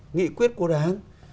nghị quyết của đảng